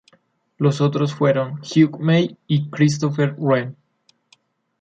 Los otros fueron Hugh May y Christopher Wren.